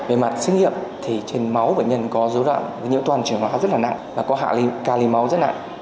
về mặt sinh nghiệm thì trên máu bệnh nhân có dấu hiệu tổn thương rất là nặng và có ca ly máu rất nặng